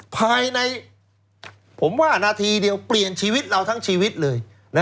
ภายในผมว่านาทีเดียวเปลี่ยนชีวิตเราทั้งชีวิตเลย